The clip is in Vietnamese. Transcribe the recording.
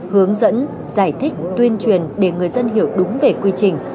hướng dẫn giải thích tuyên truyền để người dân hiểu đúng về quy trình